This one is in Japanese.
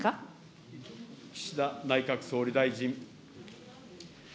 岸田内閣総理大臣。